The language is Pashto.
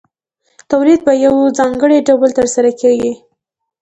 تولید په یو ځانګړي ډول ترسره کېږي